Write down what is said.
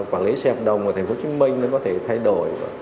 quản lý xe hợp đồng ở tp hcm nó có thể thay đổi